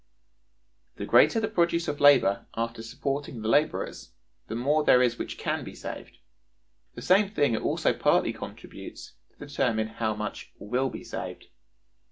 The greater the produce of labor after supporting the laborers, the more there is which can be saved. The same thing also partly contributes to determine how much will be saved.